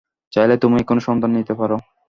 চাইলে তুমি এখনো সন্তান নিতে পার।